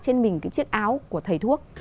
trên mình cái chiếc áo của thầy thuốc